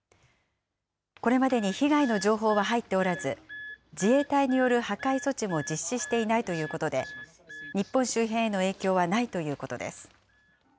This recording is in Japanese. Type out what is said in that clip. これまでに被害の情報は入っておらず、自衛隊による破壊措置も実施していないということで、日本周辺への影響はないということです。